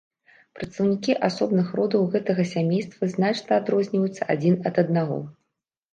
Прадстаўнікі асобных родаў гэтага сямейства значна адрозніваюцца адзін ад аднаго.